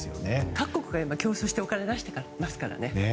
各国が競争してお金を出していますから。